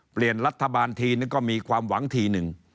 เปลี่ยนรัฐบาลทีนึงก็มีความหวังทีหนึ่ง